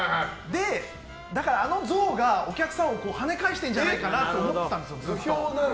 だからあの像がお客さんを跳ね返してるんじゃないかなって思ってたんですよ。